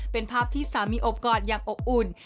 เป็นภาพที่สามีอบกอดอย่างอบอุ่น